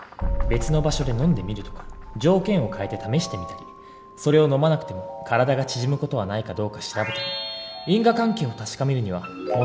別の場所で飲んでみるとか条件を変えて試してみたりそれを飲まなくても体が縮む事はないかどうか調べたり。